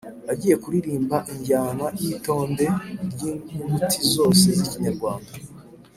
–agiye kuririmba injyana y’itonde ry’inyuguti zose z’ikinyarwanda;